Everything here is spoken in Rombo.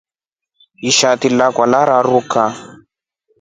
Ishati lakwa laranduka.